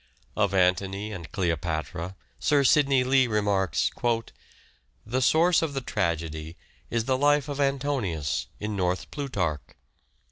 Of " Anthony and Cleopatra," Sir Sidney Lee remarks :" The source of the tragedy is the life of Antonius in North's Plutarch.